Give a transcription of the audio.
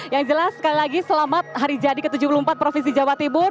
yang jelas sekali lagi selamat hari jadi ke tujuh puluh empat provinsi jawa timur